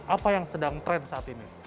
apa yang sedang tren saat ini